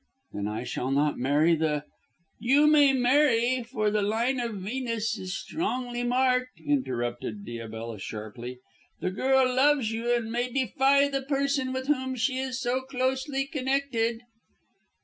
"Then I shall not marry the " "You may marry, for the line of Venus is strongly marked," interrupted Diabella sharply. "The girl loves you, and may defy the person with whom she is so closely connected."